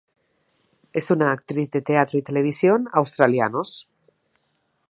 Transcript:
Es una actriz de teatro y televisión australianos.